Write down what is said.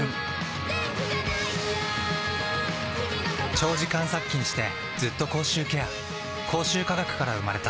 長時間殺菌してずっと口臭ケア口臭科学から生まれた